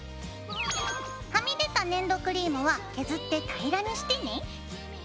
はみ出た粘土クリームは削って平らにしてね。